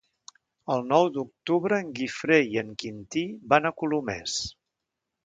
El nou d'octubre en Guifré i en Quintí van a Colomers.